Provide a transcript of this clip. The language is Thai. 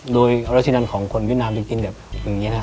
โดยราชดังที่เวียดนามจะกินแบบนี้นะ